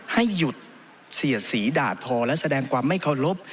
ให้หยุดเสียดสีด่าทอและแสดงความไม่เคารพ